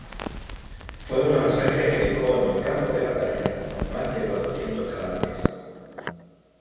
Fue una masacre que dejó en el campo de batalla más de cuatrocientos cadáveres.